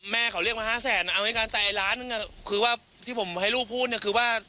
แม่เขาเรียกมาห้าแสนเอาด้วยกันแต่ไอ้ล้านหนึ่งคือว่าที่ผมให้ลูกพูดเนี่ยคือว่า